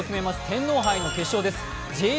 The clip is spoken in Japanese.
天皇杯の決勝です。